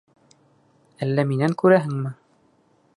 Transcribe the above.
Әллә минән күрәһеңме?